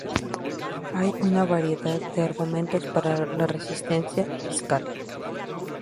Hay una variedad de argumentos para la resistencia fiscal.